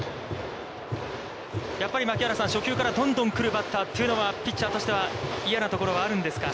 やっぱり槙原さん、初球からどんどん来るバッターというのは、ピッチャーとしては嫌なところはあるんですか。